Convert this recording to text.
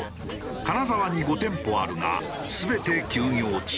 金沢に５店舗あるが全て休業中。